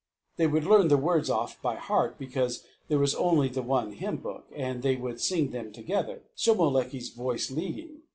They would learn the words off by heart because there was only the one hymn book, and they would sing them together, Shomolekae's voice leading.